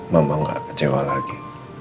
mama gak kecewa lagi